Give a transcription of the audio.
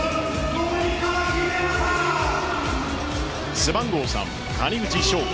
背番号３・谷口彰悟